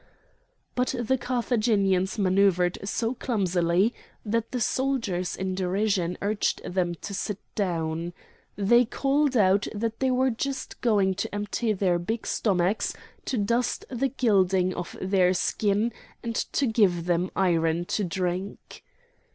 But the Carthaginians manouvred so clumsily that the soldiers in derision urged them to sit down. They called out that they were just going to empty their big stomachs, to dust the gilding of their skin, and to give them iron to drink.